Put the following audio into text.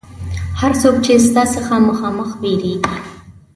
هر څوک چې ستا څخه مخامخ وېرېږي.